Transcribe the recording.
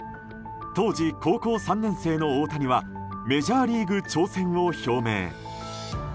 当時、高校３年生の大谷はメジャーリーグ挑戦を表明。